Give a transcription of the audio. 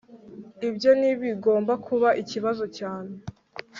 Ibyo ntibigomba kuba ikibazo cyane